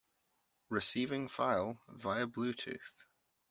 Receiving file via blue tooth.